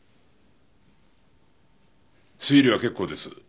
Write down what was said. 推理は結構です。